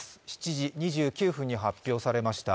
７時２９分に発表されました。